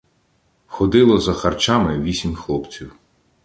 Ходило за харчами вісім хлопців.